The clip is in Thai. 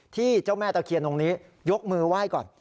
เจ้าแม่ตะเคียนตรงนี้ยกมือไหว้ก่อน